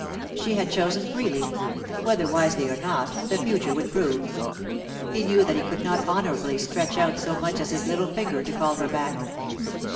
She had chosen freely—whether wisely or not, the future would prove. He knew that he could not honourably stretch out so much as his little finger to call her back.